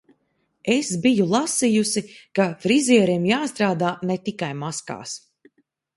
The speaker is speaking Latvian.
Es biju lasījusi, ka frizieriem jāstrādā ne tikai maskās.